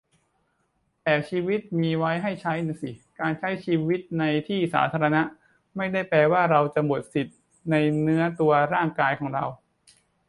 แต่ชีวิตมีไว้ให้ใช้น่ะสิ การใช้ชีวิตในที่สาธารณะ ไม่ได้แปลว่าเราจะหมดสิทธิในเนื้อตัวร่างกายของเรา